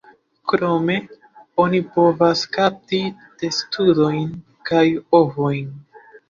Krome, oni povas kapti testudojn kaj ovojn.